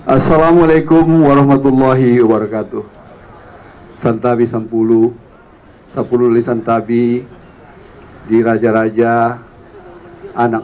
assalamualaikum warahmatullahi wabarakatuh santabi sepuluh sepuluh lisan tabi diraja raja anak